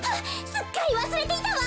すっかりわすれていたわ。